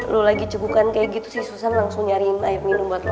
lo lagi cekukan kayak gitu si susan langsung nyariin air minum buat lo